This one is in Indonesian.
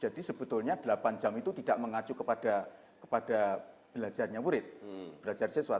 jadi sebetulnya delapan jam itu tidak mengacu kepada belajarnya murid belajar sesuai